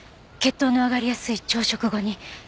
血糖の上がりやすい朝食後に。